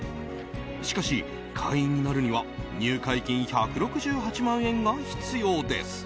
しかし、会員になるには入会金１６８万円が必要です。